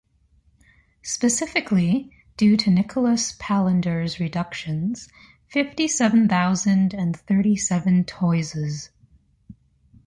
Specifically, due to Nicolas Palander’s reductions, fifty-seven thousand and thirty-seven toises.